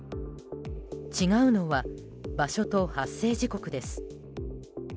違うのは場所と発生時刻です。